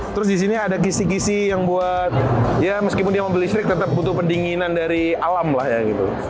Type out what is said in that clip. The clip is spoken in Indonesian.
terus di sini ada kisi kisi yang buat ya meskipun dia mobil listrik tetap butuh pendinginan dari alam lah ya gitu